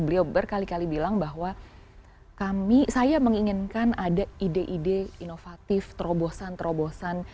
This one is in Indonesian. beliau berkali kali bilang bahwa kami saya menginginkan ada ide ide inovatif terobosan terobosan